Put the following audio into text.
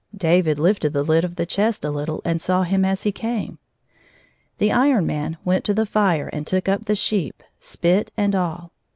David lifted the lid of the chest a little and saw him as he came. The Iron Man went to the fire and took up the sheep, spit and all.